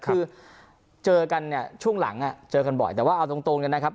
คือเจอกันเนี่ยช่วงหลังเจอกันบ่อยแต่ว่าเอาตรงกันนะครับ